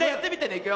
いくよ。